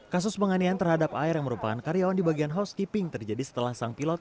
kasus penganian terhadap ar yang merupakan karyawan di bagian housekeeping terjadi setelah sang pilot